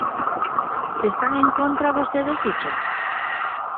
¿Están en contra vostedes diso?